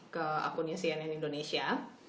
ke akunnya cnn indonesia